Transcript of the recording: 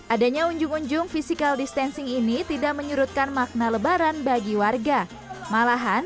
adanya unjung unjung fisikal distensing ini tidak menyerutkan makna lebaran bagi warga malahan